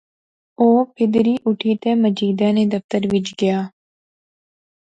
او پھیدری اُٹھی تے مجیدے نے دفترے وچ گیا